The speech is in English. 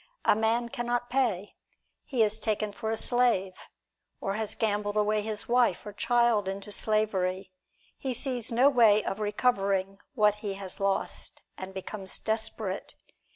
A man can not pay, he is taken for a slave, or has gambled away his wife or child into slavery, he sees no way of recovering what he has lost, and becomes desperate.